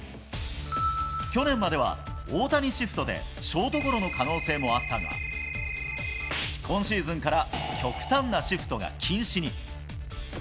去年までは、大谷シフトで、ショートゴロの可能性もあったが、今シーズンから極端なシフトが禁止に。